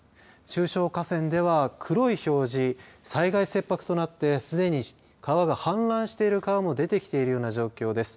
中小河川では黒い表示災害切迫となってすでに川が氾濫している川も出てきているような状況です。